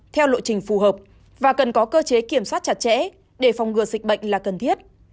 theo lộ trình phù hợp và cần có cơ chế kiểm soát chặt chẽ để phòng ngừa dịch bệnh là cần thiết